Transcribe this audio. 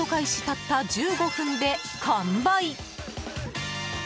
たった１５分で完売。